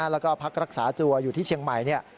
แล้วก็พักรักษาตัวอยู่ที่เชียงใหม่